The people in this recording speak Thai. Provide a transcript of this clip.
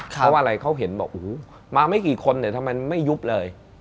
เพราะว่าอะไรเขาเห็นบอกโอ้โหมาไม่กี่คนเนี่ยทำไมไม่ยุบเลย